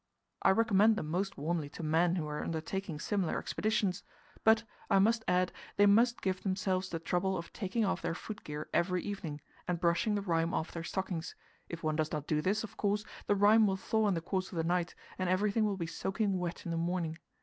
I recommend them most warmly to men who are undertaking similar expeditions. But I must add they must give themselves the trouble of taking off their foot gear every evening, and brushing the rime off their stockings; if one does not do this, of course, the rime will thaw in the course of the night, and everything will be soaking wet in the morning.